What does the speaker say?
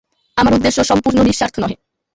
আমার উদ্দেশ্য সম্পূর্ণ নিঃস্বার্থ নহে।